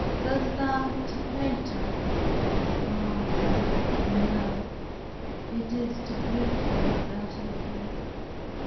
"Go'st thou to Plato?" Ah, girl, no! It is to Pluto that I go.